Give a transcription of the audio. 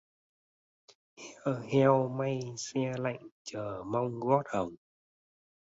Heo may xe lạnh chờ mong gót hồng.